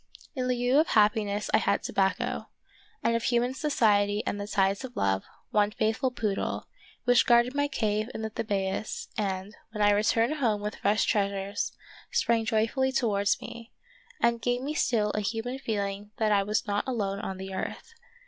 In lieu of happiness I had tobacco, and of human society and the ties of love, one faithful poodle, which guarded my cave in the Thebais and, when I returned home with fresh treasures, sprang joyfully towards me, and gave me still a human feeling that I was not alone on the earth.